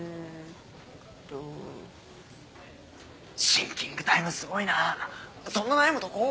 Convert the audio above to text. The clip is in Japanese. シンキングタイムすごいなそんな悩むとこ？